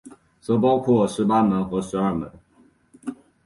则包括十八门和十二门。